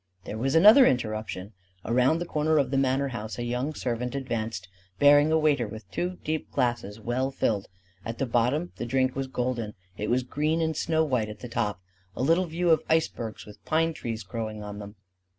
There was another interruption. Around the corner of the manor house a young servant advanced, bearing a waiter with two deep glasses well filled: at the bottom the drink was golden; it was green and snow white at the top: a little view of icebergs with pine trees growing on them.